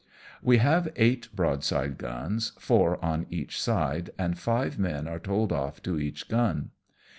We haTe eight broadside guns, four on each side, and five men are told off to each gun.